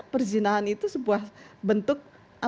perzinahan itu bentuk